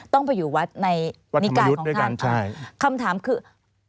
ต้องไปอยู่วัดในนิกายของท่านใช่คำถามคือ